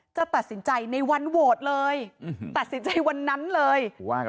จะตัดสินใจในวันโหวตเลยตัดสินใจวันนั้นเลย